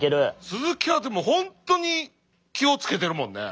鈴木はでも本当に気を付けてるもんね。